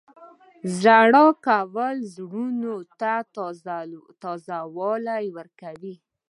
• ژړا کول د زړونو ته تازه والی ورکوي.